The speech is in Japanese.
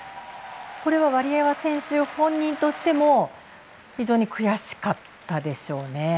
これはワリエワ選手本人としても非常に悔しかったでしょうね。